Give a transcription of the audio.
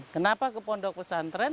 kenapa ke pondok pesantren